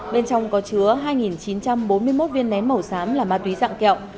bên trong có chứa hai chín trăm bốn mươi một viên nén màu xám là ma túy dạng kẹo